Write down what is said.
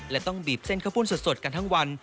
และต้องบีบเส้นข้าวปุ้นสดกันทั้งวัน